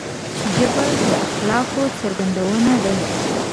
ژبه د اخلاقو څرګندونه ده